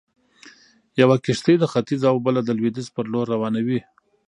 يوه کښتۍ د ختيځ او بله د لويديځ پر لور روانوي.